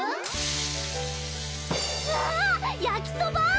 わーっやきそば！